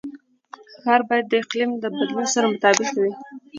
ښار باید د اقلیم د بدلون سره مطابقت ولري.